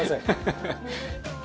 ハハハ！